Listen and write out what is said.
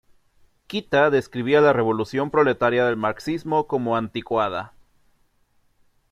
Kita describía la revolución proletaria del marxismo como anticuada.